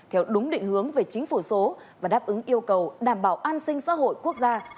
theo đúng định hướng về chính phủ số và đáp ứng yêu cầu đảm bảo an sinh xã hội quốc gia